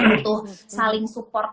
kita butuh saling support